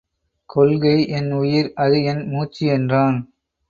கொள்கை என் உயிர் அது என் மூச்சு என்றான்.